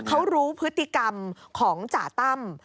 เขารู้พฤติกรรมของจ่าตั้ม